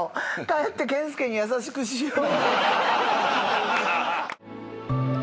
帰って健介に優しくしよう。